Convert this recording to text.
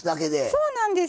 そうなんです。